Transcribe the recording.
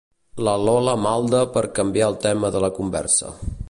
La Lola malda per canviar el tema de la conversa.